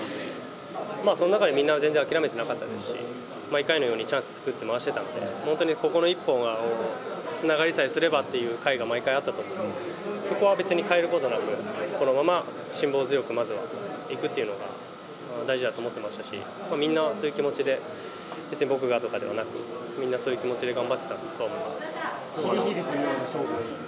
その中でみんな、全然諦めてなかったですし、毎回のようにチャンス作って回してたので、本当にここの一本がつながりさえすればって回が毎回あったと思うので、そこは別に変えることなく、このまま辛抱強く、まずはいくっていうのが、大事だと思ってましたし、みんな、そういう気持ちで、別に僕がとかではなくて、みんなそういう気持ちで頑張ってたとは思います。